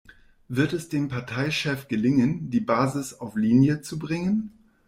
Wird es dem Parteichef gelingen, die Basis auf Linie zu bringen?